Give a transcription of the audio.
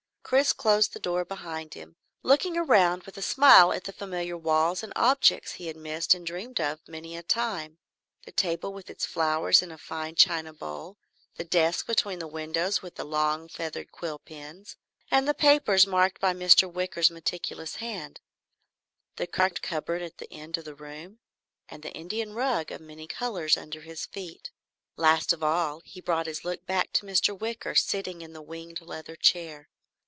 Chris closed the door behind him, looking around with a smile at the familiar walls and objects he had missed and dreamed of, many a time, the table with its flowers in a fine China bowl, the desk between the windows with the long feathered quill pens and the papers marked by Mr. Wicker's meticulous hand, the carved cupboard at the end of the room, and the Indian rug of many colors under his feet. Last of all he brought his look back to Mr. Wicker, sitting in the winged leather chair.